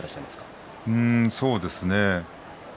そうですね。